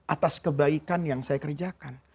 atas kebaikan yang saya kerjakan